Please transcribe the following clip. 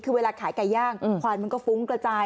คือเวลาขายไก่ย่างควายมันก็ฟุ้งกระจาย